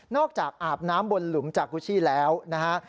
จากอาบน้ำบนหลุมจากูชี่แล้วนะฮะ